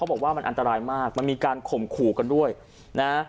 บอกว่ามันอันตรายมากมันมีการข่มขู่กันด้วยนะ